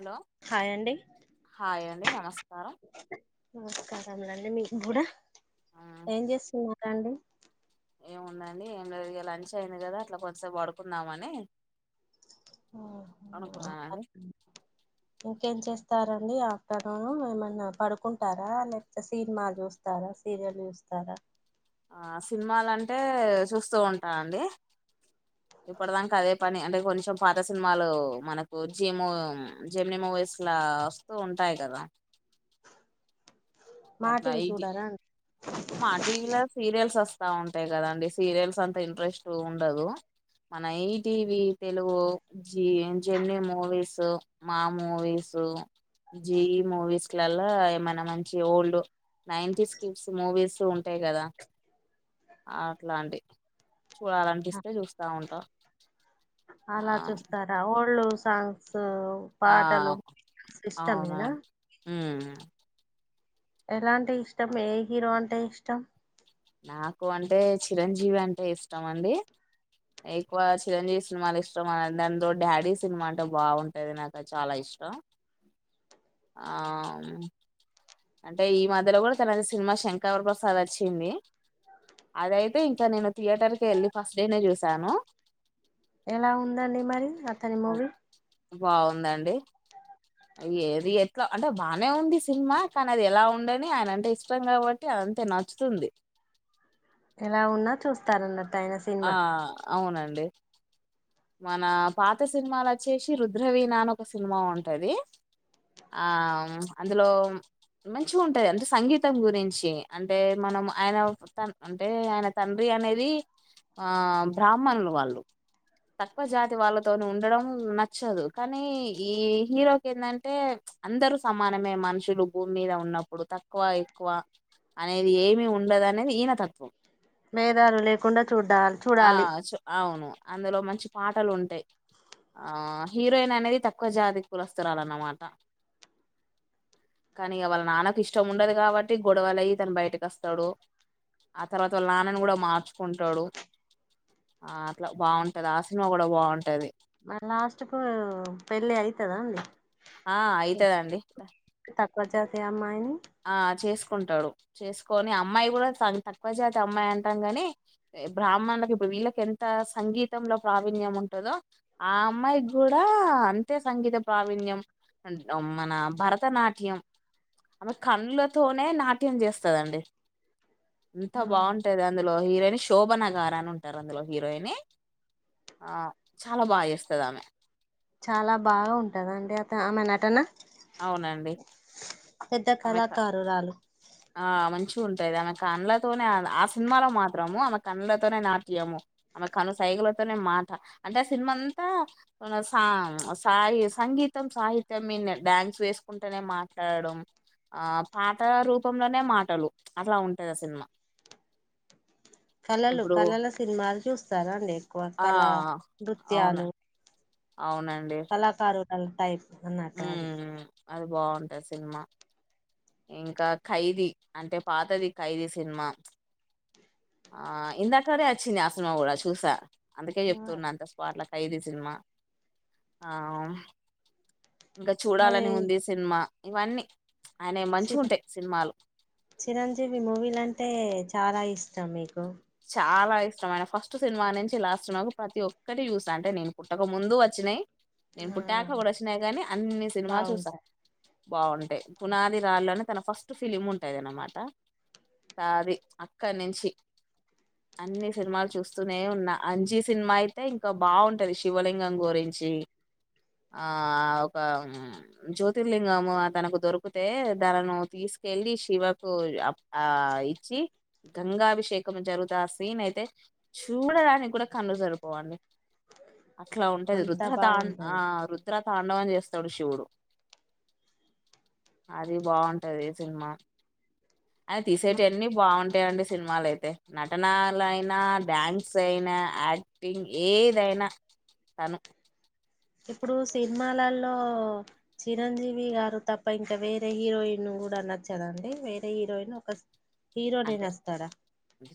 Hello hi అండి hi అండి నమస్కారం నమస్కారంలండి మీ బుడా ఆ, ఏం చేస్తున్నారాండి ఏముందండి ఏం లేదు ఇగ లంచ్ అయింది కదా అట్లా కొద్దిసేపు పడుకుందామని ఆహా అనుకున్నానండి ఇంకేం చెస్ త్తారండి ఆఫ్టర్నూన్ ఏమన్నా పడుకుంటారా లేకపోతే సీనిమా చూస్తారా సీరియల్ చూస్ తార ఆ సినిమాలంటే చూస్తూ ఉంటానండి ఇప్పుడుదాంక అదే పనే అంటే కొంచెం పాత సినిమాలు మనకు జీ ము జెమ్ని మూ వయసులా వస్తూ ఉంటాయి కదా మా టి అట్లా వి ఈ చూడారా అ మా టీ వీ లో సీరియల్స్ వస్తా ఉంటాయి కదండి సీరియల్స్ అంతా ఇంట్రెస్ట్ ఉండదు మన ఈ టీ వీ తెలుగు జీ జమినీ మూవీస్ మా మూవీస్ సు జి మూవీస్లల్లా ఏమైనా మంచి ఓల్డ్ నైన్టీస్ కిడ్స్ మూవీస్ ఉంటాయి కదా అట్లా అండి చూడాలనిస్తే చూస్తా ఉంటా ఆ అలా చూస్తారా ఓల్డ్ సాంగ్స్ ఆ పాటలు అవునా ఇష్టమేనా మ్మ్ ఎలా అంటే ఇష్టం ఏ హీరో అంటే ఇష్టం నాకు అంటే చిరంజీవి అంటే ఇష్టం అండి ఎక్కువ చిరంజీవి సినిమాలు ఇష్టం ఆ దానితో డాడీ సినిమా అంటే బాగుంటది నాకు చాలా ఇష్టం ఆమ్ అంటే ఈ మధ్యలో కూడా తన సినిమాస్ శంకర వర ప్రసాద్ వచ్చింది అదైతే ఇంకా నేను థియేటర్ కె వెళ్ళి ఫస్ట్ డే నే చూశాను ఎలా ఉందండి మరి అతని మూవీ బాగుందండి ఏది ఎట్లా అంటే బానే ఉంది సినిమా కానీ అది ఎలా ఉండని ఆయన అంటే ఇష్టం కాబట్టి ఆ అంతే నచ్చుతుంది ఎలా ఉన్నా చూస్తారన్నట్ ఆ అవునండి మన పాత సినిమాలు వచ్చేసి రుద్రవీణ అని ఒక సినిమా ఉంటది ఆమ్ అందులో మంచి ఉంటాయి అంటే సంగీతం గురించి అంటే మన్ నం ఆయన ఒక తన్ అంటే ఆయన తండ్రి అనేది ఆ బ్రాహ్మణుల వాళ్ళు తక్కువ జాతి వాళ్ళతోనే ఉండడం నచ్చదు కానీ ఈ హీరోకి ఎందంటే అందరు సమానమే మనుషులు భూమి మీద ఉన్నప్పుడు తక్కువ ఎక్కువ అనేది ఏమి ఉండదు అనేది ఈయన తత్వం మేధాలు లేకుండా చూడ్డల్ ఆ చూడాలి అవును అందులో మంచి పాటలు ఉంటాయి ఆ హీరోయిన్ అనేది తక్కువ జాతి కులస్తురాలన్నమాట కానీ ఇగ వాళ్ళ నాన్నకు ఇష్టం ఉండదు కాబట్టి గొడవలయి తను బయటకి వస్తాడు ఆ తర్వాత వాళ్ళ నాన్నని కూడా మార్చుకుంటాడు ఆ అట్లా బాగుంటది ఆ సినిమా కూడా బాగుంటది మా లాస్ట్ కు పెళ్ళి అయితదా అండి ఆ అయితదండి తక్కువ జాతి అమ్మాయిని ఆ చేసు కుంటాడు చేసుకొని అమ్మాయి కూడా తను తక్కువ జాతి అమ్మాయి అంటాం గాని బ్రాహ్మణులకి ఇప్పు వీళ్ళకి ఎంత సంగీతంలో ప్రావీణ్యం ఉంటదో ఆ అమ్మాయికి కూడా అంతే సంగీత్ ప్రావీణ్యం మన భరతనాట్యం ఆమె కళ్లతోనే నాట్యం చేస్తదండి ఎంత బాగుంటది అందులో హీరోయిన్ శోభన గార అని ఉంటారు అందులో హీరోయిని ఆ చాలా బాగా చేస్తది ఆమె చాలా బాగా ఉంటద అండి అత ఆమె నటన అవునండి పెద్ద ఆమె కళాకారురాలు ఆ మంచి ఉంటాది ఆమె కన్నలతోనే ఆ సినిమాలో మాత్రము ఆమె కన్నలతోనే నాట్యముమె కను సైగులతోనే మాట అంటే ఆ సినిమా అంతా సా సాయి సంగీతం సాిత్య ్యాన్స్ వేసుకుంటేనే మాట్లాడం ఆ పాట రూ కుపంలోనే మాటలు అట్లా ఉంటాది సినిమా కళలు ఇప్పుడు కళల సినిమాలు చూస్తారంాండి ఎక్కువ ఆ కళ అవునా నృత్యాలు అవునండి టైపు నన్నట ఆది ఉమ్ అది బాగుంటది సినిమా ఇంకా ఖైదీ అంటే పాతది ఖైదీ సినిమా ఆ ఇందాకడే వచ్చింది ఆ సినిమా కూడా చూసా అందుకే చెప్తున్న అంత స్పాట్ల ఖైదీ సినిమా ఆ ఇంకా మరి చూడాలని ఉంది సినిమా ఇవన్నీ ఆయన మంచిగా చిర ఉంటాయి సినిమాలు చిరంజీవి మూవీలు అంటే చాలా ఇష్టం మీకు చాలా ఇష్టమైన ఫస్ట్ సినిమా నుంచి లాస్ట్ సినిమాకు ప్రతి ఒక్కటి యూస్ అంటే నేను పుట్టక ముందు వచ్చినాయి నేను ఆ పుట్టాక కూడా వచ్చినాయి కాగానీ అన్ని సినిమాలు చూసా బాగుంటాయి బాగుంటాయి పునాది రాళ్ునే తన ఫస్ట్ ఫిలిం ఉంటాది అనమాట సాది అక్కడి నుంచి అన్ని సినిమాలు చూస్తూనే ఉన్నా అంజీ సినిమా అయితే ఇంకా బాగుంటది శివలింగం గురించి క్షే ఆ ఒక జ్యోతిర్లింగము తనకు దొరికితే తనను తీసి కెళ్ళి శివకు ఆ ఇచ్చి గంగాభిషేకం జరుగు ఆ సీన్ అయితే చూడడానికి కూడా కన్ను జరుపోవాలి అట్లా ఉంటది అంతా రుద్రతాం ఆ బాగుంటది రుద్రతాండవని చేస్తాడు శివుడు అది బాగుంటది సినిమా అని తీసేటవన్నిీ బాగుంటాయియంండి సినిమలు అయితే నటనలుయినా డ్యాన్స్ అయినా యాక్టింగ్ ఏదైనా అను ఇప్పుడు సినిమాలలో చిరంజీవి గారు తప్ప ఇంకా వేరే హీరోయిన్ చూడ అన్న చదండి వేరే హీరోయిన్ ఒక హీరోనే అంటేే నస్తాడా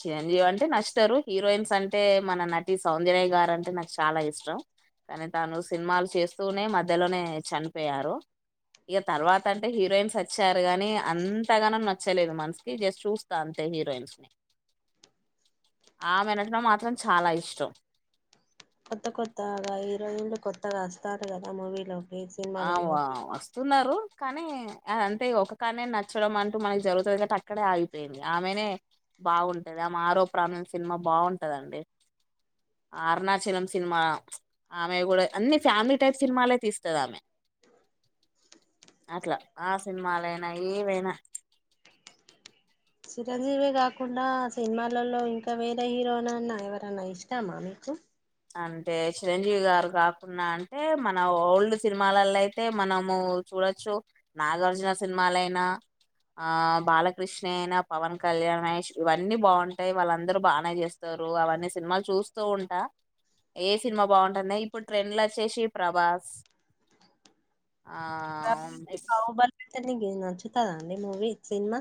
చిరంజీవి అంటే నష్ట ఇద్దరు హీరోయిన్స్ అంటే మన నటి సౌందర్రాయ గారు అంటే నాకు చాలా ఇష్టం కానీ తాను సినిమాలు చేస్తూనే మధ్యలోనే చనిపోయారు ఇక తర్వాత అంటే హీరోయిన్స్ వచ్చారు గాని అంతగాన నచ్చలేదు మనసుకి జస్ట్ చూ తంతే హీరోయిన్స్ ని ఆ నటన మాత్రం చాలా ఇష్టం కొత్త కొత్తగా ఈరో ఇంలు కొత్తగా వస్తారు కదా మూవీలో అవ వస్తున్నారు కానీ అంటే ఒక కాన్న నచ్చడం అంటూ మనకి జరుగుతుంది గట్టి అక్కడే ఆగిపోయింది ఆమెనే బాగుంటది ఆమె ఆరోపమం సినిమా బాగుంటదండి ఆరుణచలం సినిమా ఆమె కూడా అన్ని ఫ్యామిలీ టైప్ సినిమాలే తీస్తుది ఆమె [unintelligible] అట్లా ఆ సినిమాలైనా ఏవైనా చిరంజీవే కాకుండా సినిమాలలో ఇంకా వేరే హీరోనన్నా ఎవరన్నా ఇష్టామా మీకు అంటే చిరంజీవి గారు కాకుండా అంటే మన ఓల్డ్ సినిమాలలో అయితే మనము చూడొచ్చు. నాగార్జున సినిమాలయినా. ఆ బాలకృష్ణ అయిన, పవన్ కళ్యాణ్, మహేష్ ఇవన్నీ బాగుంటాయి. వాళ్ళందరుూ బానే చేస్తారు. అవన్నీ సినిమాలు చూస్తూ ఉంటా. ఏ సినిమా బాగుంటాన్నా. ఇప్పుడు ట్రెండ్లో వచ్చేసి ప్రభాస్. ఆ మీ బాహుబలి అతనికి నచ్చుతదా అండి మూవీ సినిమా?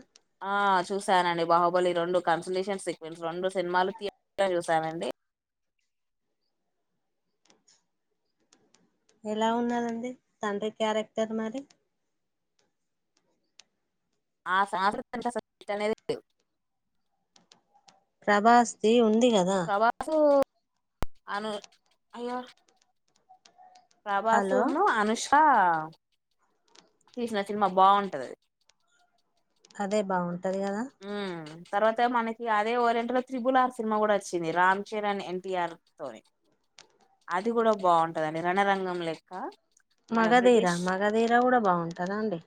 ఆ చూసానండి. బాహుబలి రొండు కన్సలేషన్ సీక్వెన్స్ రొండు సినిమాలు థియేటర్ లో చూసానండి. ఎలా ఉన్నదండి తండ్రి క్యారెక్టర్ మరి? ఆ స అసలు [unintelligible] లేవ్ బాస్తి ఉంది కదా అను అయ్యో హలో ప్రభసును అనుష్ క తీసిన సినిమా బాగుంటది అది. అదే బాగున్ మ్ తర్వాత మనకి అదే ఓరియంట్ లో త్రిబుల్ ఆర్ సినిమా కూడ వచ్చింది. రామ్ చరణ్, ఎన్టీఆర్ తోని అది కూడ బాంటదండి రణరంగం లెక్క. మన మగధీర. బ్రిటిష్ మగధీరా కూడ బావుంటుందా అండి?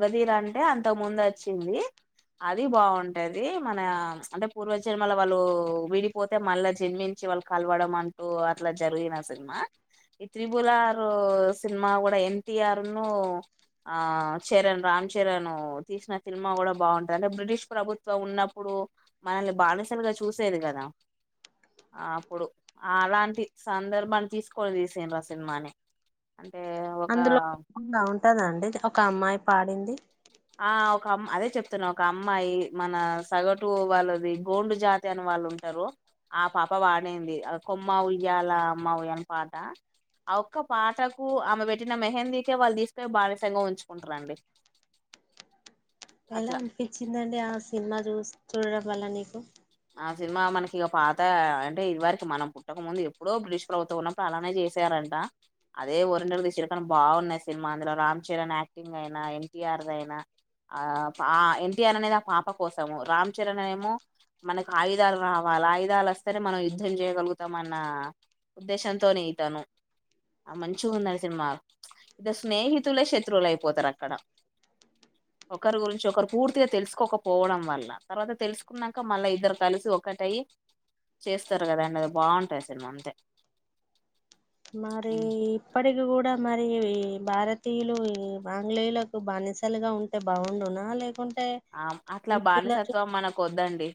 మగదీర అంటే, అంతక ముందు వచ్చింది. అది బాగుంటాది. మన అంటే, పూర్వజన్మలో వాళ్ళు విడిపోతే, మళ్ళా జన్ మించి వాళ్ళు కలవడం అంటూ, అట్లా జరిగిన సినిమా. ఈ త్రిబులారు సినిమా కూడ ఎన్టిఆర్ను ఆ చరణ్, రామ్ చరణ్ తీసిన సినిమా కూడ బాగుంటది. అంటే, బ్రిటిష్ ప్రభుత్వం ఉన్నప్పుడు, మనల్ని బానిసలుగా చూసేది కదా! అప్పుడు అలాంటి సందర్భాన్ని, తీసుకోనీ తీసిండ్రు ఆ సినిమాని అంటే ఒక అందులో ఉంగ ఉంటదా అండి! ఒక అమ్మాయి పాడింది? ఆ ఒక అమ్ అదే చెప్తున్నా. ఒక అమ్మాయి మన సగటు వాళ్ళది, గోండు జాతి అని వాళ్ళు ఉంటారు. ఆ పాప పాడింది. కొమ్మ ఉయ్యాల అమ్మ ఉయ్యని పాట. ఆ ఒక్క పాటకు, ఆమె పెట్టిన మెహందీకే, వాళ్ళు తీసుక బానిసంగా ఉంచుకుంటారండి. అట్లా ఎలా అనిపిచ్చిందండి ఆ సినిమా చూసి, చూడడం వల్ల నీకు? ఆ సినిమా మనకిగ ఇక పాత అంటే, ఇదివరికి మనం పుట్టకముందు ఎప్పుడో బ్రిటిష్ ప్రభుత్వం ఉన్నప్పుడు, అలానే చేశార అదే ఒరిండరిది తీ చిరుకని బాగున్నాయి సినిమా అందులో రామ్ చరణ్ యాక్టింగ్ అయిన, ఎన్టీఆర్ దై నా ఆ ఎన్టీఆర్ అనేది ఆ పాప కోసము. రామ్ చరణ్నే ఏమో, మనకు ఆయుధాలు రావాల. ఆయుధాలు వస్తేనే మనం యుద్ధం చేయగలుగుతాం. అన్న ఉద్దేశంతోని, తను ఆ మంచిగా ఉన్నది సినిమా. ఇడ స్నేహితులే శత్రువులు అయిపోతారు అక్కడ. ఒకరి గురించి ఒకరు పూర్తిగా తెలుసుకోకపోవడం వల్ల. తర్వాత తెలుసుకున్న ఇక్క మళ్ళా ఇద్దరు కలుసు ఒకటయి, చేస్తారు కదాండి అది బాగుంటాది సినిమా అంతే. మరీ ఇప్పటికి కూడ మరీ భారతీయులు ఈ ఆంగ్లేయులకు బానిసలుగా ఉంటే బాగుండునా, లేకున్ ఆ అట్లా బానిసత్వం మనకు వద్దండి.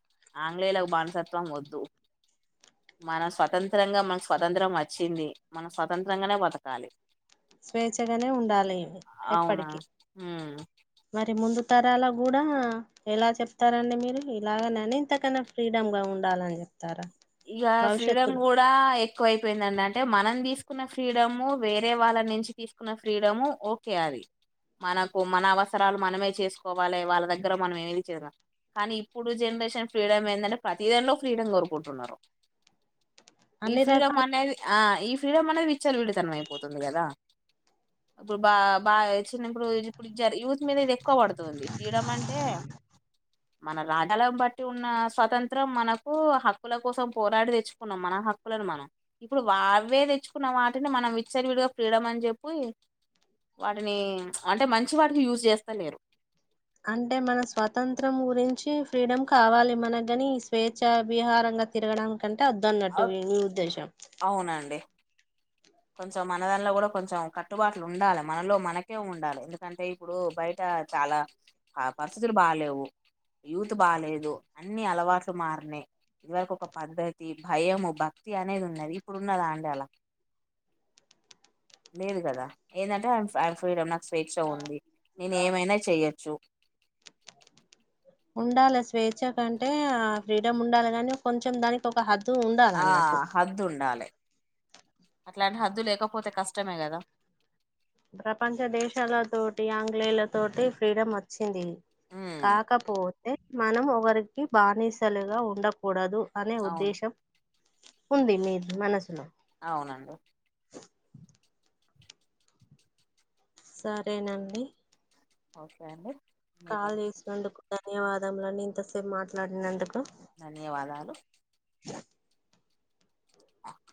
ఆంగ్లేయులకు బానిసత్వం వద్దు. మన స్వతంత్రంగా మనకు స్వతంత్రం వచ్చింది. మనం స్వతంత్రంగానే బతకాలి. స్వేచ్ఛగానే ఉండాలి అవునా ఎప్పటికిీ ఉమ్. మరి ముందు తరాల కూడా ఎలా చెప్తారండి మీరు? ఇలాగెనన ఇంతకన్నా ఫ్రీడమ్ గా ఉండాలని చెప్ ఇగ ఫ్రీడమ్ కూడా ఎక్కువ అయిపోయిందండి. అంటే, మనం తీసు కున్న ఫ్రీడము, వేరే వాళ్ళ నుంచి తీసుకున్న ఫ్రీడము, ఓకే అది. మనకు మన అవసరాలు మనమే చేసుకోవాలి వాళ్ళ దగ్గర మనం ఏమిది చేదల కానీ ఇప్పుడు జనరేషన్ ఫ్రీడమ్ ఏందంటే, ప్రతిదానిలో ఫ్రీడమ్ కోరుకుంటున్నారు. ఈ అన్ని రకాల ఫ్రీడమ్ అనేది, ఆ. ఈ ఫ్రీడమ్ అనేది విచ్చాల విడితనం అయిపోతుంది కదా ఇప్పుడు బా బాగా చిన్నప్పుడు ఇప్పుడు జ యూత్ మీద ఇది ఎక్కువ పడుతుంది ఫ్రీడమ్ అంటే మన [unintelligible] బట్టి ఉన్న స్వతంత్రం మనకు హక్కుల కోసం పోరాడి తెచ్చుకున్నాం మన హక్కులను మనం ఇప్పుడు వావే తెచ్చుకున్న వాటిని మనం విచ్చలవిడిగా ఫ్రీడమ్ ఆ అని చెప్పి వాటిని అంటే మంచి వాటికి యూజ్ చేస్తా లేరు అంటే మన స్వాతంత్రం గురించి ఫ్రీడమ్ కావాలి మనగాని స్వేచ్ఛ విహారం తిరగడానికి కంటే అవ్ వద్దన్నట్టు ఊ ఉద్దేశం అవునండి కొంచెం మన దానిలో కూడా కొంచెం కట్టుబాట్లు ఉండాలి మనలో మనకే ఉండాలి ఎందుకంటే ఇప్పుడు బయట చాలా ఆ పరిస్థితులు బాగాలేవు యూత్ బాలేదు అన్ని అలవాట్లు మారినై ఇదివరకు ఒక పద్ధతి భయంము భక్తి అనేది ఉన్నది ఇప్పుడు ఉన్నదాండి అలా లేదు కదా ఏందంటే వన్ వాని ఫ్రీడమ్ నాకు స్వేచ్ఛ ఉంది నేను ఏమైనా చెయ్యొచ్చు ఉండాలి స్వేచ్ఛ కంటే ఆ ఫ్రీడమ్ ఉండాలి కానీ కొంచెం దానికి ఒక హద్ ఆ హద్దు ఉండాలి అట్లాంటి హద్దు లేకపోతే కష్టమే కదా ప్రపంచ దేశాలతోటి ఆంగ్లేయుల తోటి ఫ్రీడమ్ వచ్చింది ఉమ్, కాకపోతే మనం ఒకరికి బానిసలుగా ఉండకూడదు అనే అవును ఉద్దేశం ఉంది మీ మనసులో అవునండి సరేనండి ఓకే అండి మీతో కాల్ చేసినందుకు ధన్యవాదములని ఇంతసేపు మాట్లాడినందుకు ధన్యవాదాలు [unintelligible]